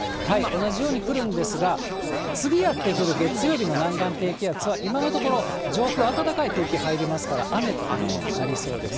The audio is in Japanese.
同じように来るんですが、次やって来る月曜日の南岸低気圧は今のところ上空、暖かい空気入りますから雨となりそうです。